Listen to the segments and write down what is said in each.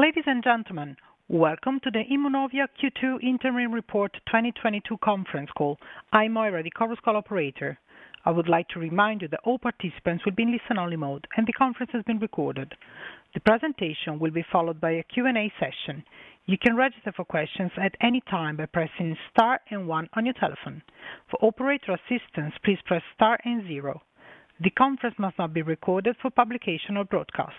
Ladies and gentlemen, welcome to the Immunovia Q2 Interim Report 2022 conference call. I'm Moira, the conference call operator. I would like to remind you that all participants will be in listen-only mode, and the conference is being recorded. The presentation will be followed by a Q&A session. You can register for questions at any time by pressing star and one on your telephone. For operator assistance, please press star and zero. The conference must not be recorded for publication or broadcast.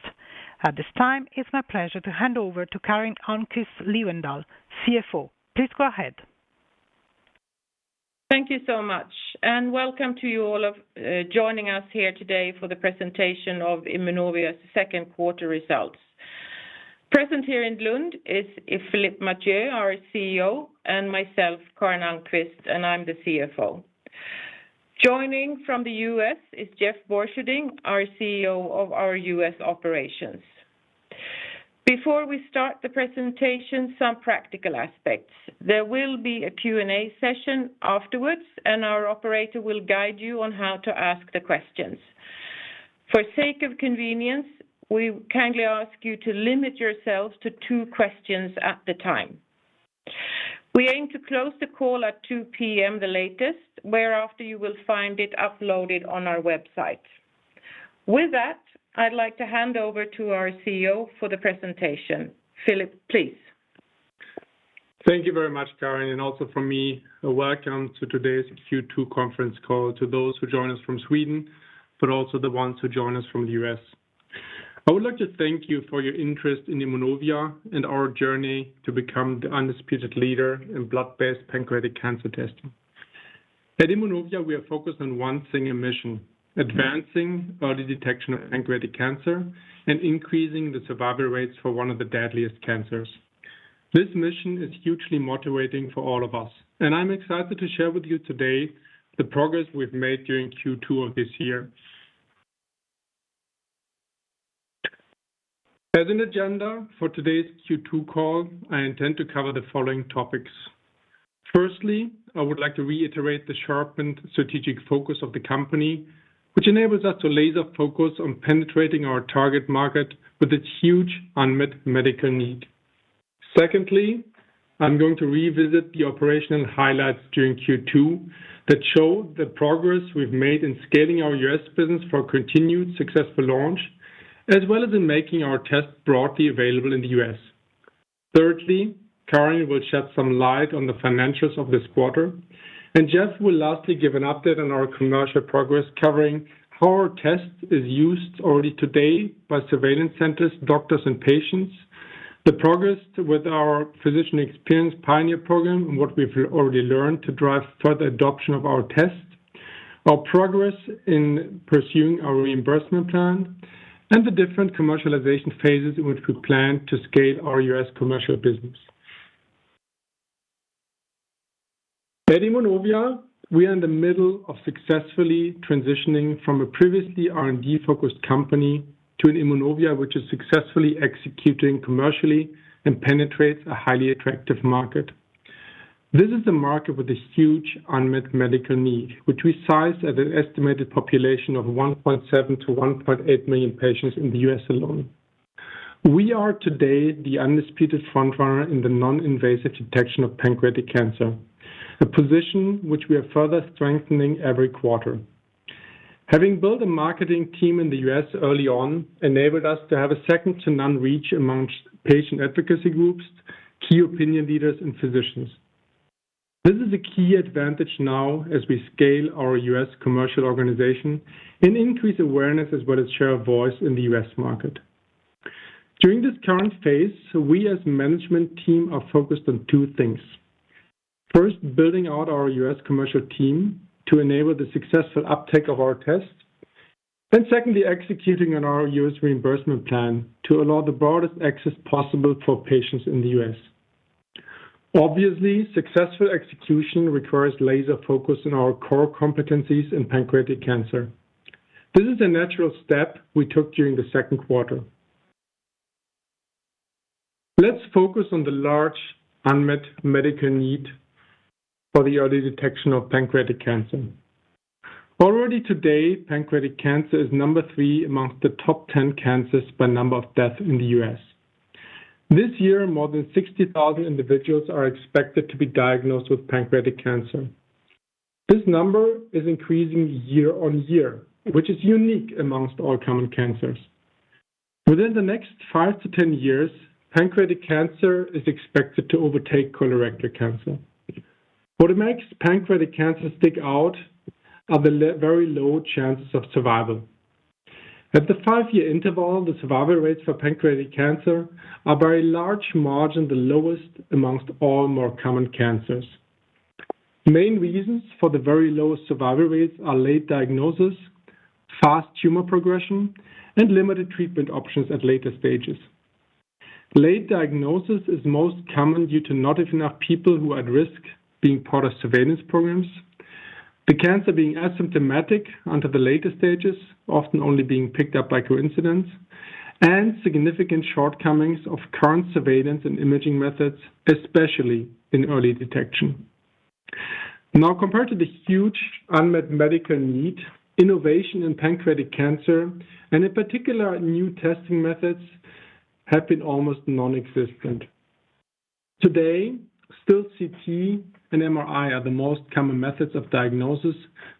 At this time, it's my pleasure to hand over to Karin Almqvist Liwendahl, CFO. Please go ahead. Thank you so much, and welcome to all of you joining us here today for the presentation of Immunovia's second quarter results. Present here in Lund is Philipp Mathieu, our CEO, and myself, Karin Almqvist Liwendahl, and I'm the CFO. Joining from the U.S. is Jeff Borcherding, our CEO of our U.S. Operations. Before we start the presentation, some practical aspects. There will be a Q&A session afterwards, and our operator will guide you on how to ask the questions. For the sake of convenience, we kindly ask you to limit yourselves to two questions at a time. We aim to close the call at 2:00 P.M. the latest, whereafter you will find it uploaded on our website. With that, I'd like to hand over to our CEO for the presentation. Philipp, please. Thank you very much, Karin. Also from me, welcome to today's Q2 conference call to those who join us from Sweden, but also the ones who join us from the U.S. I would like to thank you for your interest in Immunovia and our journey to become the undisputed leader in blood-based pancreatic cancer testing. At Immunovia, we are focused on one single mission, advancing early detection of pancreatic cancer and increasing the survival rates for one of the deadliest cancers. This mission is hugely motivating for all of us, and I'm excited to share with you today the progress we've made during Q2 of this year. As an agenda for today's Q2 call, I intend to cover the following topics. Firstly, I would like to reiterate the sharpened strategic focus of the company, which enables us to laser focus on penetrating our target market with its huge unmet medical need. Secondly, I'm going to revisit the operational highlights during Q2 that show the progress we've made in scaling our U.S. business for continued successful launch, as well as in making our test broadly available in the U.S. Thirdly, Karin will shed some light on the financials of this quarter, and Jeff will lastly give an update on our commercial progress, covering how our test is used already today by surveillance centers, doctors, and patients, the progress with our physician experience pioneer program and what we've already learned to drive further adoption of our test, our progress in pursuing our reimbursement plan, and the different commercialization phases in which we plan to scale our U.S. commercial business. At Immunovia, we are in the middle of successfully transitioning from a previously R&D-focused company to an Immunovia, which is successfully executing commercially and penetrates a highly attractive market. This is a market with this huge unmet medical need, which we sized at an estimated population of 1.7 million-1.8 million patients in the U.S. alone. We are today the undisputed front runner in the non-invasive detection of pancreatic cancer, a position which we are further strengthening every quarter. Having built a marketing team in the U.S. early on enabled us to have a second to none reach amongst patient advocacy groups, key opinion leaders, and physicians. This is a key advantage now as we scale our U.S. commercial organization and increase awareness as well as share voice in the U.S. market. During this current phase, we as management team are focused on two things. First, building out our U.S. commercial team to enable the successful uptake of our tests. Secondly, executing on our U.S. reimbursement plan to allow the broadest access possible for patients in the U.S. Obviously, successful execution requires laser focus in our core competencies in pancreatic cancer. This is a natural step we took during the second quarter. Let's focus on the large unmet medical need for the early detection of pancreatic cancer. Already today, pancreatic cancer is number three among the top 10 cancers by number of death in the U.S. This year, more than 60,000 individuals are expected to be diagnosed with pancreatic cancer. This number is increasing year-on-year, which is unique among all common cancers. Within the next five-10 years, pancreatic cancer is expected to overtake colorectal cancer. What makes pancreatic cancer stick out are the very low chances of survival. At the five-year interval, the survival rates for pancreatic cancer are by a large margin the lowest among all more common cancers. Main reasons for the very low survival rates are late diagnosis, fast tumor progression, and limited treatment options at later stages. Late diagnosis is most common due to not enough people who are at risk being part of surveillance programs, the cancer being asymptomatic until the later stages, often only being picked up by coincidence, and significant shortcomings of current surveillance and imaging methods, especially in early detection. Now, compared to the huge unmet medical need, innovation in pancreatic cancer, and in particular, new testing methods, have been almost nonexistent. Today, still CT and MRI are the most common methods of diagnosis,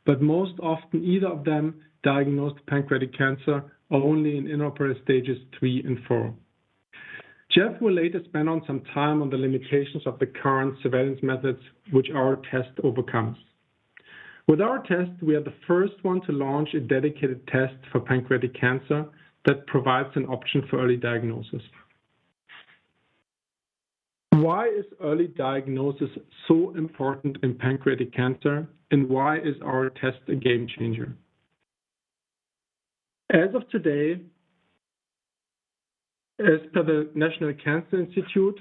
but most often, either of them diagnose pancreatic cancer are only in inoperable stages 3 and 4. Jeff will later spend some time on the limitations of the current surveillance methods, which our test overcomes. With our test, we are the first one to launch a dedicated test for pancreatic cancer that provides an option for early diagnosis. Why is early diagnosis so important in pancreatic cancer, and why is our test a game changer? As of today, as per the National Cancer Institute,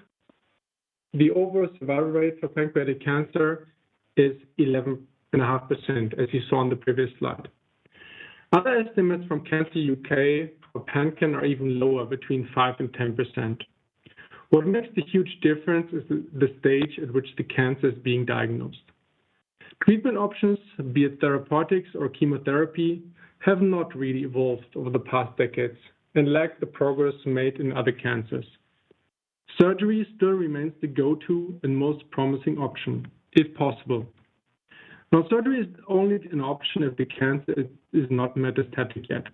the overall survival rate for pancreatic cancer is 11.5%, as you saw on the previous slide. Other estimates from Cancer Research UK for PanCan are even lower, between 5% and 10%. What makes the huge difference is the stage at which the cancer is being diagnosed. Treatment options, be it therapeutics or chemotherapy, have not really evolved over the past decades and lack the progress made in other cancers. Surgery still remains the go-to and most promising option if possible. Now, surgery is only an option if the cancer is not metastatic yet.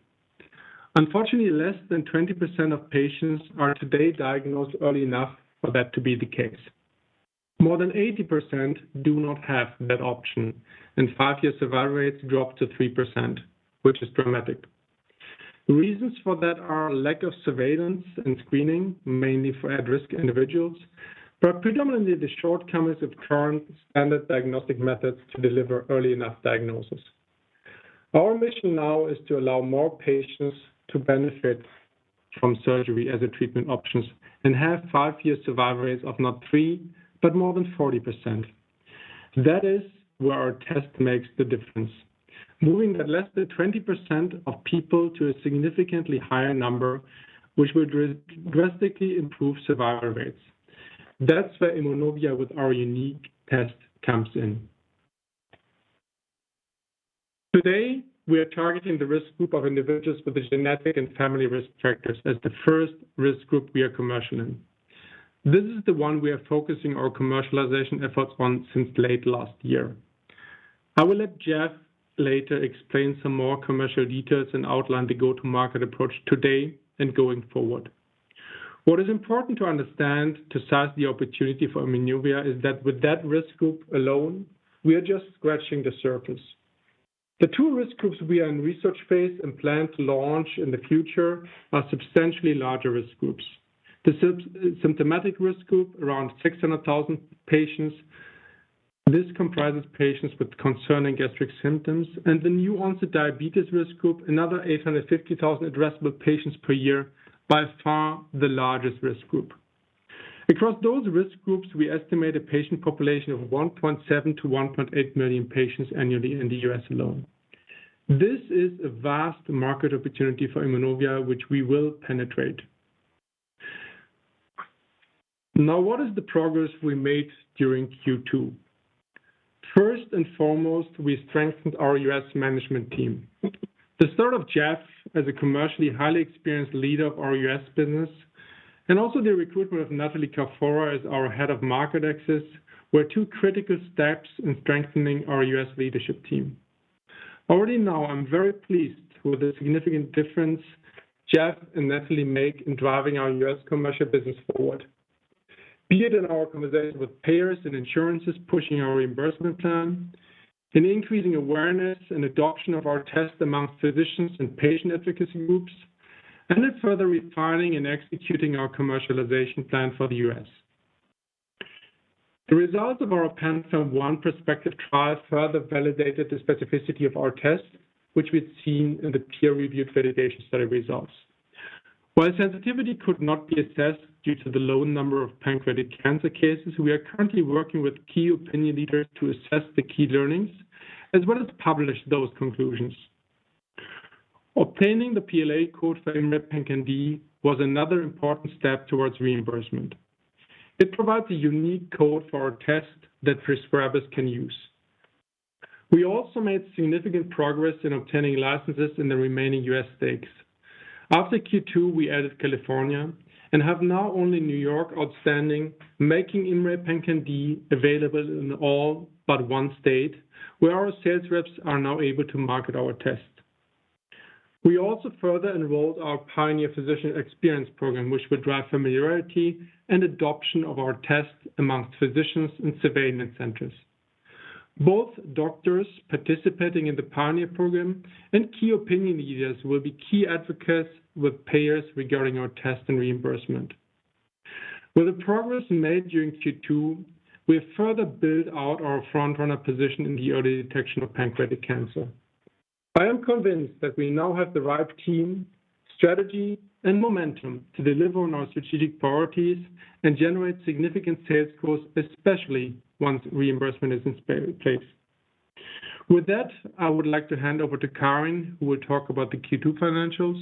Unfortunately, less than 20% of patients are today diagnosed early enough for that to be the case. More than 80% do not have that option, and five-year survival rates drop to 3%, which is dramatic. Reasons for that are lack of surveillance and screening, mainly for at-risk individuals, but predominantly the shortcomings of current standard diagnostic methods to deliver early enough diagnosis. Our mission now is to allow more patients to benefit from surgery as a treatment options and have five-year survival rates of not 3%, but more than 40%. That is where our test makes the difference. Moving that less than 20% of people to a significantly higher number, which would drastically improve survival rates. That's where Immunovia with our unique test comes in. Today, we are targeting the risk group of individuals with the genetic and family risk factors as the first risk group we are commercializing. This is the one we are focusing our commercialization efforts on since late last year. I will let Jeff later explain some more commercial details and outline the go-to-market approach today and going forward. What is important to understand to size the opportunity for Immunovia is that with that risk group alone, we are just scratching the surface. The two risk groups we are in research phase and plan to launch in the future are substantially larger risk groups. The symptomatic risk group, around 600,000 patients. This comprises patients with concerning gastric symptoms. The new onset diabetes risk group, another 850,000 addressable patients per year, by far the largest risk group. Across those risk groups, we estimate a patient population of 1.7 million-1.8 million patients annually in the U.S. alone. This is a vast market opportunity for Immunovia, which we will penetrate. Now, what is the progress we made during Q2? First and foremost, we strengthened our US management team. The start of Jeff as a commercially highly experienced leader of our US business and also the recruitment of Natalie Carfora as our Head of Market Access, were two critical steps in strengthening our US leadership team. Already now, I'm very pleased with the significant difference Jeff and Natalie make in driving our U.S. commercial business forward, be it in our conversations with payers and insurers, pushing our reimbursement plan, in increasing awareness and adoption of our test among physicians and patient advocacy groups, and in further refining and executing our commercialization plan for the U.S. The results of our PanFAM-1 prospective trial further validated the specificity of our test, which we've seen in the peer-reviewed validation study results. While sensitivity could not be assessed due to the low number of pancreatic cancer cases, we are currently working with key opinion leaders to assess the key learnings, as well as publish those conclusions. Obtaining the PLA code for IMMray PanCan-d was another important step towards reimbursement. It provides a unique code for our test that prescribers can use. We also made significant progress in obtaining licenses in the remaining U.S. states. After Q2, we added California and have now only New York outstanding, making IMMray PanCan-d available in all but one state, where our sales reps are now able to market our test. We also further enrolled our pioneer physician experience program, which will drive familiarity and adoption of our test amongst physicians and surveillance centers. Both doctors participating in the pioneer program and key opinion leaders will be key advocates with payers regarding our test and reimbursement. With the progress made during Q2, we have further built out our front-runner position in the early detection of pancreatic cancer. I am convinced that we now have the right team, strategy, and momentum to deliver on our strategic priorities and generate significant sales growth, especially once reimbursement is in place. With that, I would like to hand over to Karin, who will talk about the Q2 financials,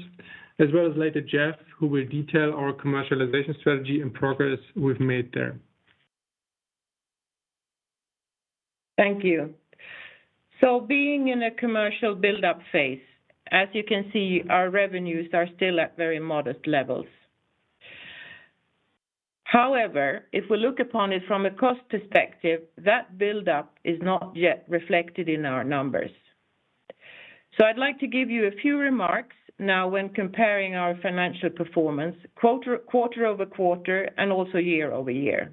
as well as later Jeff, who will detail our commercialization strategy and progress we've made there. Thank you. Being in a commercial build-up phase, as you can see, our revenues are still at very modest levels. However, if we look upon it from a cost perspective, that build-up is not yet reflected in our numbers. I'd like to give you a few remarks now when comparing our financial performance quarter-over-quarter and also year-over-year.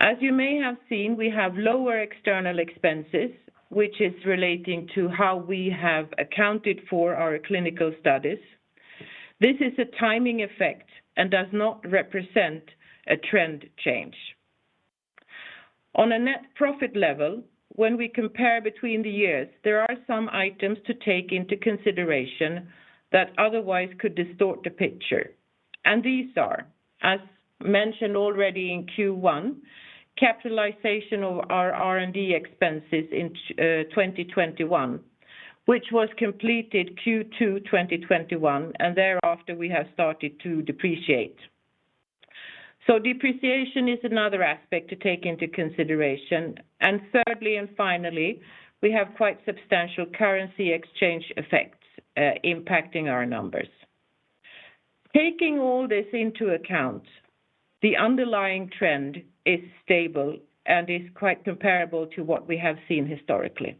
As you may have seen, we have lower external expenses, which is relating to how we have accounted for our clinical studies. This is a timing effect and does not represent a trend change. On a net profit level, when we compare between the years, there are some items to take into consideration that otherwise could distort the picture. These are, as mentioned already in Q1, capitalization of our R&D expenses in 2021, which was completed Q2 2021, and thereafter we have started to depreciate. Depreciation is another aspect to take into consideration. Thirdly, and finally, we have quite substantial currency exchange effects impacting our numbers. Taking all this into account, the underlying trend is stable and is quite comparable to what we have seen historically.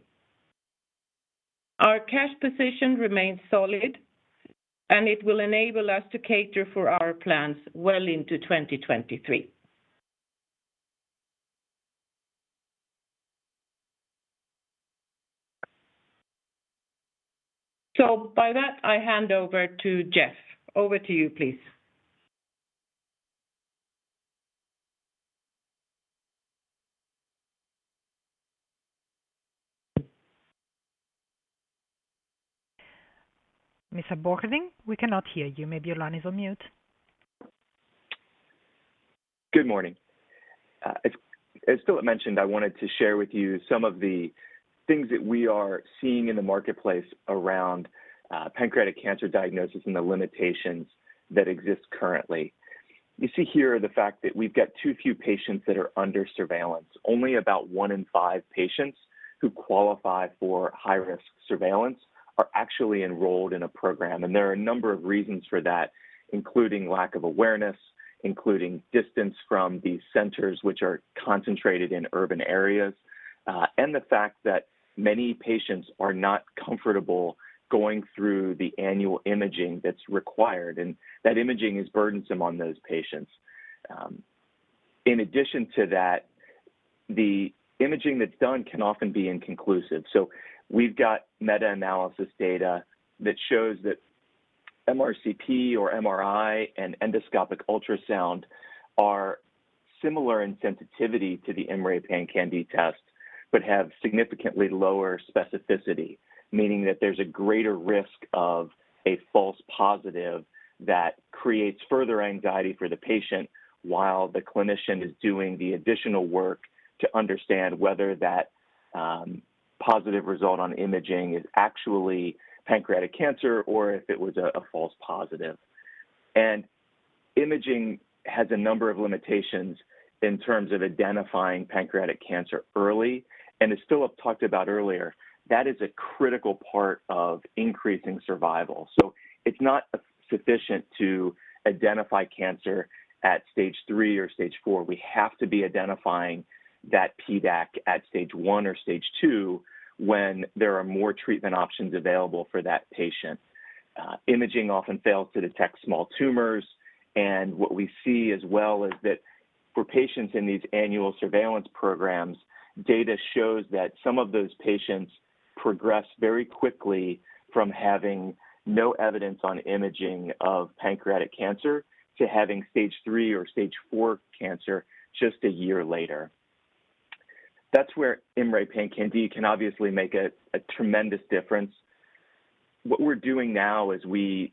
Our cash position remains solid, and it will enable us to cater for our plans well into 2023. By that, I hand over to Jeff. Over to you, please. Mr. Borcherding, we cannot hear you. Maybe your line is on mute. Good morning. As Philipp Mathieu mentioned, I wanted to share with you some of the things that we are seeing in the marketplace around pancreatic cancer diagnosis and the limitations that exist currently. You see here the fact that we've got too few patients that are under surveillance. Only about one in five patients who qualify for high-risk surveillance are actually enrolled in a program. There are a number of reasons for that, including lack of awareness, including distance from the centers which are concentrated in urban areas, and the fact that many patients are not comfortable going through the annual imaging that's required, and that imaging is burdensome on those patients. In addition to that, the imaging that's done can often be inconclusive. We've got meta-analysis data that shows that MRCP or MRI and endoscopic ultrasound are similar in sensitivity to the IMMray PanCan-d test, but have significantly lower specificity, meaning that there's a greater risk of a false positive that creates further anxiety for the patient while the clinician is doing the additional work to understand whether that positive result on imaging is actually pancreatic cancer or if it was a false positive. Imaging has a number of limitations in terms of identifying pancreatic cancer early. As Philipp Mathieu talked about earlier, that is a critical part of increasing survival. It's not sufficient to identify cancer at stage three or stage four. We have to be identifying that PDAC at stage one or stage two when there are more treatment options available for that patient. Imaging often fails to detect small tumors. What we see as well is that for patients in these annual surveillance programs, data shows that some of those patients progress very quickly from having no evidence on imaging of pancreatic cancer to having stage three or stage four cancer just a year later. That's where IMMray PanCan-d can obviously make a tremendous difference. What we're doing now as we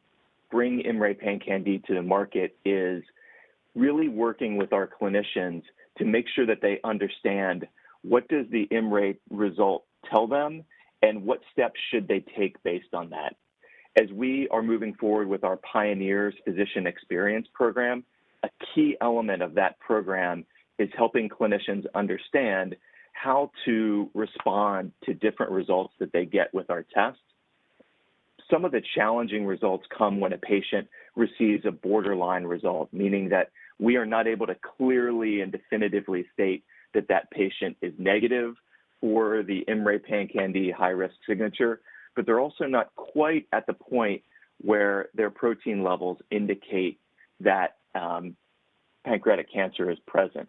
bring IMMray PanCan-d to the market is really working with our clinicians to make sure that they understand what does the IMMray result tell them, and what steps should they take based on that. As we are moving forward with our PIONEER physician experience program, a key element of that program is helping clinicians understand how to respond to different results that they get with our tests. Some of the challenging results come when a patient receives a borderline result, meaning that we are not able to clearly and definitively state that that patient is negative for the IMMray PanCan-d high-risk signature, but they're also not quite at the point where their protein levels indicate that pancreatic cancer is present.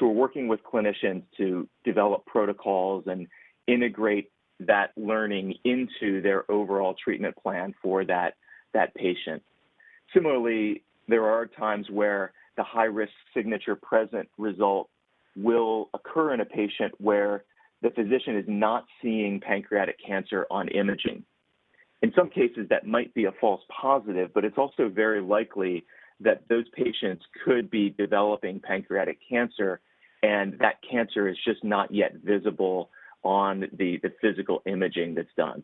We're working with clinicians to develop protocols and integrate that learning into their overall treatment plan for that patient. Similarly, there are times where the high-risk signature present result will occur in a patient where the physician is not seeing pancreatic cancer on imaging. In some cases, that might be a false positive, but it's also very likely that those patients could be developing pancreatic cancer and that cancer is just not yet visible on the physical imaging that's done.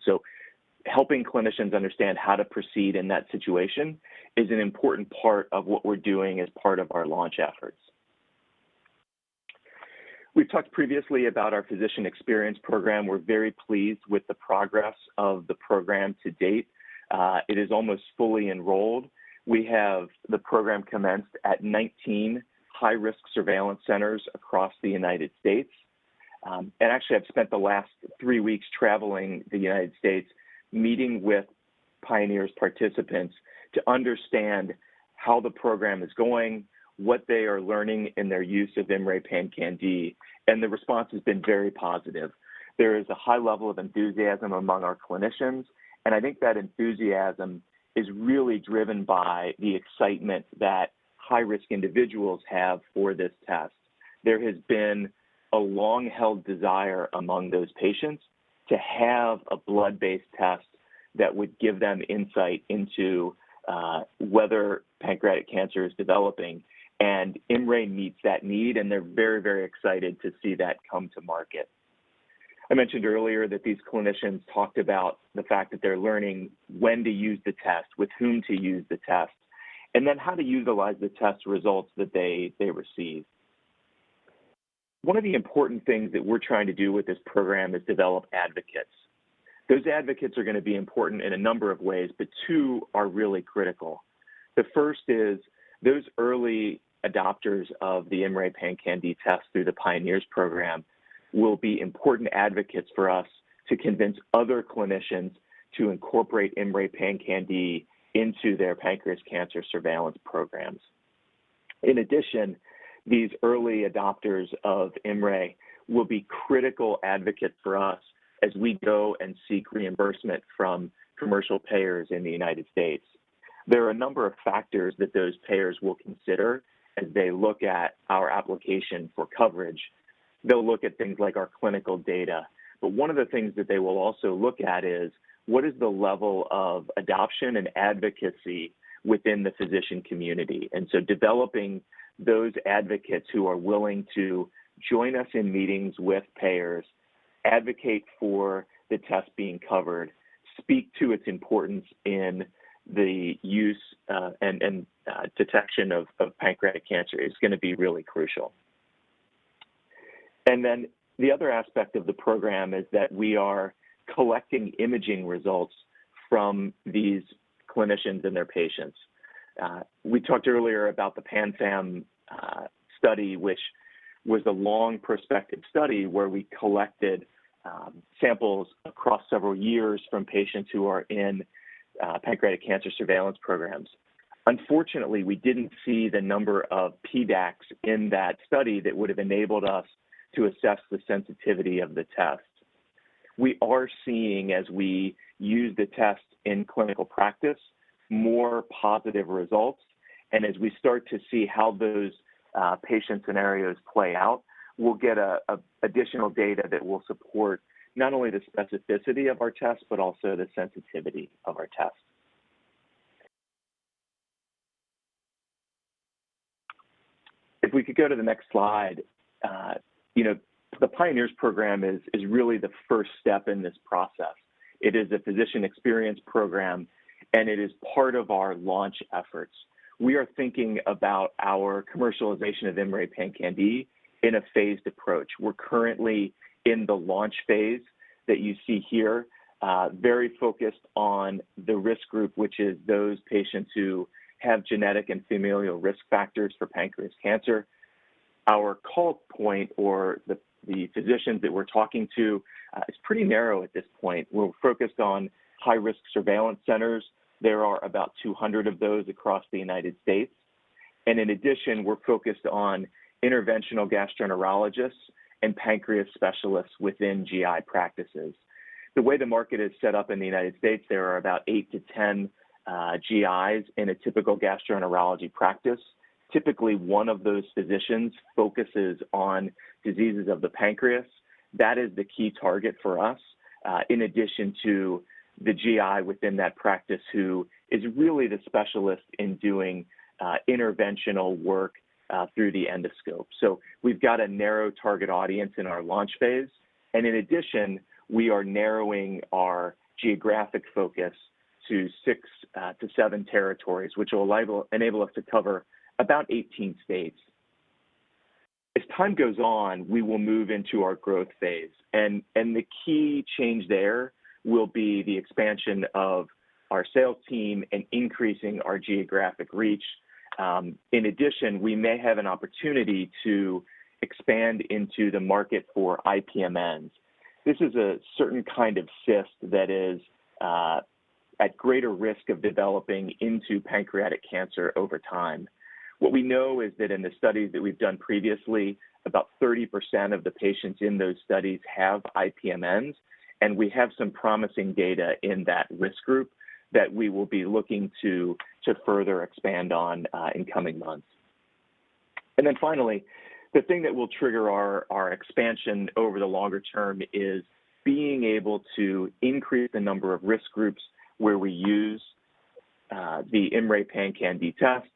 Helping clinicians understand how to proceed in that situation is an important part of what we're doing as part of our launch efforts. We've talked previously about our physician experience program. We're very pleased with the progress of the program to date. It is almost fully enrolled. We have the program commenced at 19 high-risk surveillance centers across the United States. Actually, I've spent the last three weeks traveling the United States, meeting with pioneer participants to understand how the program is going, what they are learning in their use of IMMray PanCan-d, and the response has been very positive. There is a high level of enthusiasm among our clinicians, and I think that enthusiasm is really driven by the excitement that high-risk individuals have for this test. There has been a long-held desire among those patients to have a blood-based test that would give them insight into whether pancreatic cancer is developing, and IMMray meets that need, and they're very, very excited to see that come to market. I mentioned earlier that these clinicians talked about the fact that they're learning when to use the test, with whom to use the test, and then how to utilize the test results that they receive. One of the important things that we're trying to do with this program is develop advocates. Those advocates are going to be important in a number of ways, but two are really critical. The first is those early adopters of the IMMray PanCan-d test through the Pioneers program will be important advocates for us to convince other clinicians to incorporate IMMray PanCan-d into their pancreatic cancer surveillance programs. In addition, these early adopters of IMMray will be critical advocates for us as we go and seek reimbursement from commercial payers in the United States. There are a number of factors that those payers will consider as they look at our application for coverage. They'll look at things like our clinical data. One of the things that they will also look at is what is the level of adoption and advocacy within the physician community. Developing those advocates who are willing to join us in meetings with payers, advocate for the test being covered, speak to its importance in the use and detection of pancreatic cancer is going to be really crucial. The other aspect of the program is that we are collecting imaging results from these clinicians and their patients. We talked earlier about the PanFam study, which was a long prospective study where we collected samples across several years from patients who are in pancreatic cancer surveillance programs. Unfortunately, we didn't see the number of PDACs in that study that would have enabled us to assess the sensitivity of the test. We are seeing, as we use the test in clinical practice, more positive results. As we start to see how those patient scenarios play out, we'll get additional data that will support not only the specificity of our test, but also the sensitivity of our test. If we could go to the next slide, you know, the Pioneers program is really the first step in this process. It is a physician experience program, and it is part of our launch efforts. We are thinking about our commercialization of IMMray PanCan-d in a phased approach. We're currently in the launch phase that you see here, very focused on the risk group, which is those patients who have genetic and familial risk factors for pancreatic cancer. Our call point or the physicians that we're talking to is pretty narrow at this point. We're focused on high-risk surveillance centers. There are about 200 of those across the United States. In addition, we're focused on interventional gastroenterologists and pancreas specialists within GI practices. The way the market is set up in the United States, there are about 8-10 GIs in a typical gastroenterology practice. Typically, one of those physicians focuses on diseases of the pancreas. That is the key target for us, in addition to the GI within that practice who is really the specialist in doing interventional work through the endoscope. We've got a narrow target audience in our launch phase. In addition, we are narrowing our geographic focus to six to seven territories, which will enable us to cover about 18 states. As time goes on, we will move into our growth phase. The key change there will be the expansion of our sales team and increasing our geographic reach. In addition, we may have an opportunity to expand into the market for IPMNs. This is a certain kind of cyst that is at greater risk of developing into pancreatic cancer over time. What we know is that in the studies that we've done previously, about 30% of the patients in those studies have IPMNs. We have some promising data in that risk group that we will be looking to further expand on in coming months. Finally, the thing that will trigger our expansion over the longer term is being able to increase the number of risk groups where we use the IMMray PanCan-d test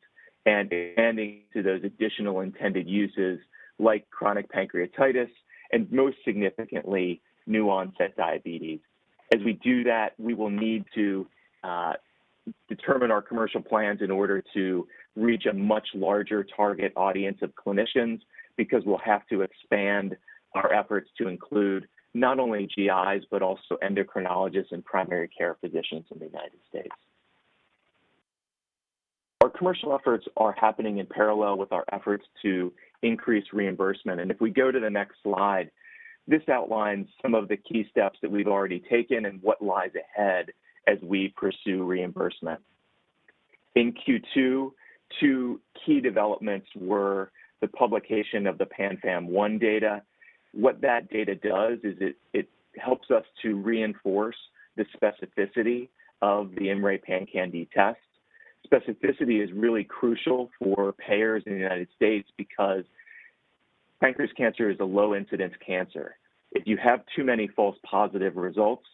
and expanding to those additional intended uses like chronic pancreatitis and most significantly, new onset diabetes. As we do that, we will need to determine our commercial plans in order to reach a much larger target audience of clinicians, because we'll have to expand our efforts to include not only GIs, but also endocrinologists and primary care physicians in the United States. Our commercial efforts are happening in parallel with our efforts to increase reimbursement. If we go to the next slide, this outlines some of the key steps that we've already taken and what lies ahead as we pursue reimbursement. In Q2, two key developments were the publication of the PanFAM-1 data. What that data does is it helps us to reinforce the specificity of the IMMray PanCan-d test. Specificity is really crucial for payers in the United States because pancreatic cancer is a low incidence cancer. If you have too many false positive results,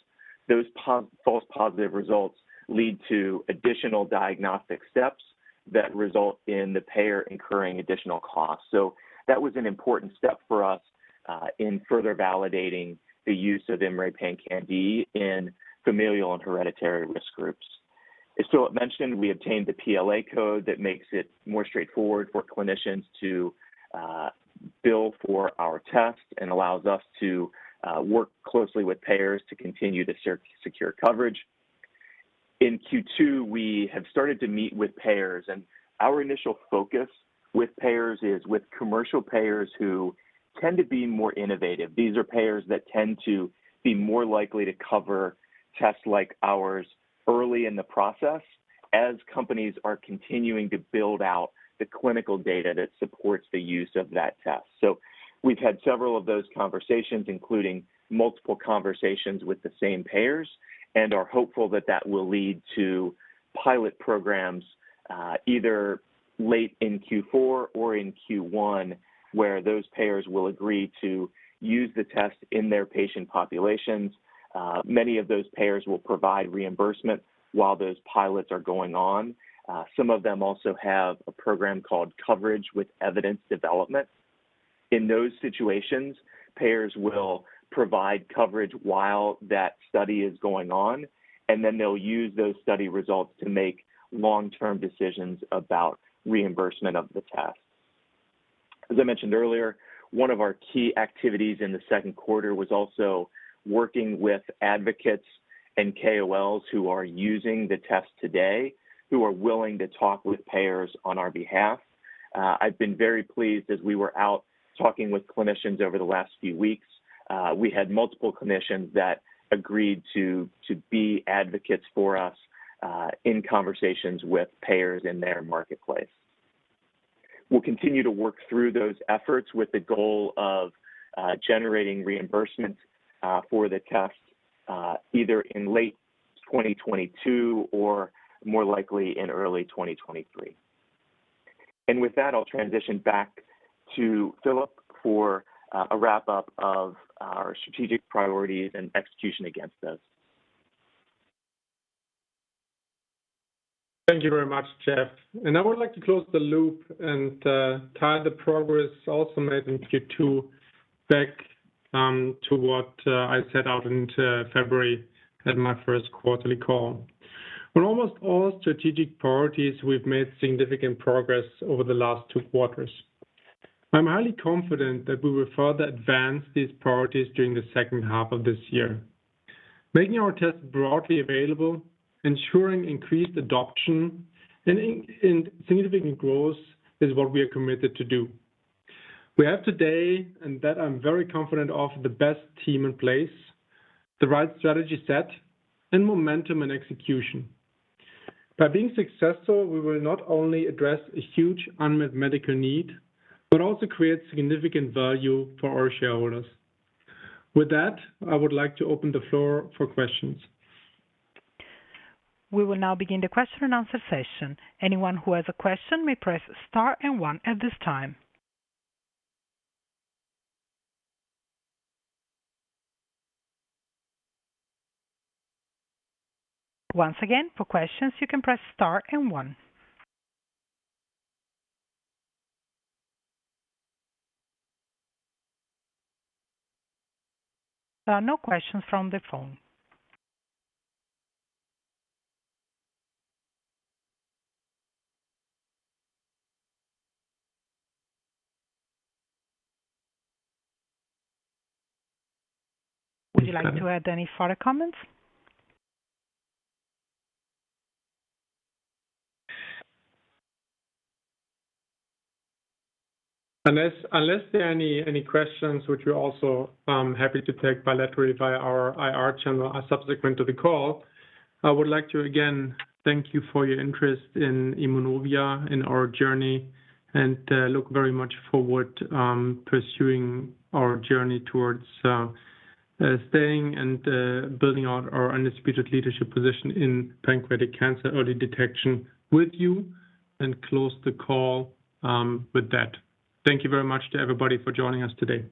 those false positive results lead to additional diagnostic steps that result in the payer incurring additional costs. That was an important step for us in further validating the use of IMMray PanCan-d in familial and hereditary risk groups. As Philipp mentioned, we obtained the PLA code that makes it more straightforward for clinicians to bill for our test and allows us to work closely with payers to continue to secure coverage. In Q2, we have started to meet with payers, and our initial focus with payers is with commercial payers who tend to be more innovative. These are payers that tend to be more likely to cover tests like ours early in the process, as companies are continuing to build out the clinical data that supports the use of that test. We've had several of those conversations, including multiple conversations with the same payers, and are hopeful that that will lead to pilot programs, either late in Q4 or in Q1, where those payers will agree to use the test in their patient populations. Many of those payers will provide reimbursement while those pilots are going on. Some of them also have a program called Coverage with Evidence Development. In those situations, payers will provide coverage while that study is going on, and then they'll use those study results to make long-term decisions about reimbursement of the test. As I mentioned earlier, one of our key activities in the second quarter was also working with advocates and KOLs who are using the test today, who are willing to talk with payers on our behalf. I've been very pleased as we were out talking with clinicians over the last few weeks. We had multiple clinicians that agreed to be advocates for us in conversations with payers in their marketplace. We'll continue to work through those efforts with the goal of generating reimbursement for the test either in late 2022 or more likely in early 2023. With that, I'll transition back to Philipp for a wrap-up of our strategic priorities and execution against those. Thank you very much, Jeff. I would like to close the loop and tie the progress also made in Q2 back to what I set out in February at my first quarterly call. On almost all strategic priorities, we've made significant progress over the last two quarters. I'm highly confident that we will further advance these priorities during the second half of this year. Making our test broadly available, ensuring increased adoption, and significant growth is what we are committed to do. We have today, and that I'm very confident of, the best team in place, the right strategy set, and momentum in execution. By being successful, we will not only address a huge unmet medical need, but also create significant value for our shareholders. With that, I would like to open the floor for questions. We will now begin the question and answer session. Anyone who has a question may press star and one at this time. Once again, for questions, you can press star and one. There are no questions from the phone. Would you like to add any further comments? Unless there are any questions which we're also happy to take bilaterally via our IR channel or subsequent to the call, I would like to again thank you for your interest in Immunovia, in our journey, and look very much forward pursuing our journey towards staying and building out our undisputed leadership position in pancreatic cancer early detection with you, and close the call with that. Thank you very much to everybody for joining us today.